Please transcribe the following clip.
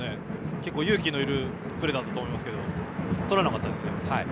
結構、勇気のいるプレーだったと思いますがとらなかったですね。